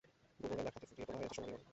গুগলে লেখাটি ফুটিয়ে তোলা হয়েছে সোনালি রঙে।